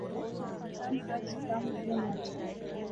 کم از کم وہ نہ تھی۔